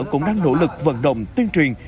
cũng đang nỗ lực vận động tiên truyền